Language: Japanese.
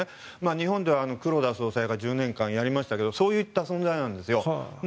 日本では黒田総裁が１０年間やりましたがそういった存在なんですよ。